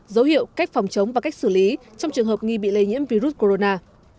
dấu hiệu cách phòng chống và cách xử lý trong trường hợp nghi bị lây nhiễm virus corona